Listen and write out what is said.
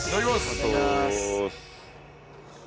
いただきます！